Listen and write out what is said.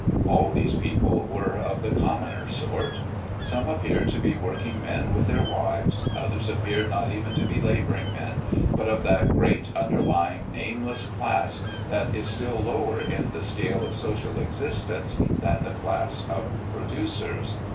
All these people were of the commoner sort. Some appeared to be working men with their wives, others appeared not even to be laboring men, but of that great, underlying, nameless class that is still lower in the scale of social existence than the class of producers.